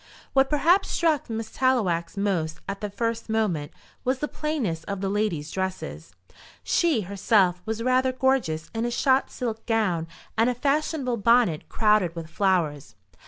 What perhaps struck Miss Tallowax most at the first moment was the plainness of the ladies' dresses. She, herself, was rather gorgeous in a shot silk gown and a fashionable bonnet crowded with flowers.